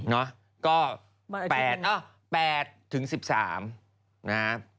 เนอะก็๘ถึง๑๓นะครับ